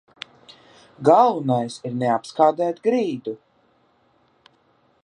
Galvenais ir neapskādēt grīdu.